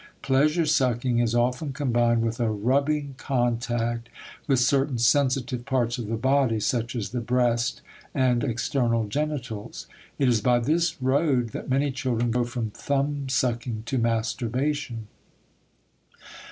Pleasure sucking is often combined with a rubbing contact with certain sensitive parts of the body, such as the breast and external genitals. It is by this road that many children go from thumb sucking to masturbation.